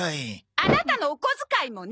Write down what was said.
アナタのお小遣いもね。